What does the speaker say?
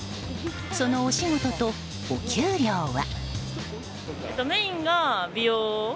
そのお仕事とお給料は？